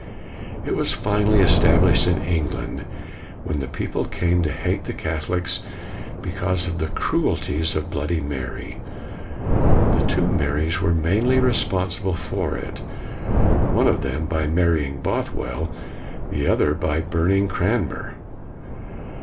It was finally established in England, when the people came to hate the Catholics because of the cruelties of Bloody Mary. The two Marys were mainly responsible for it: one of them by marrying Bothwell, the other by burning Cranmer.